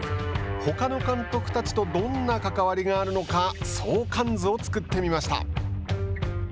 ほかの監督たちとどんな関わりがあるのか相関図を作ってみました。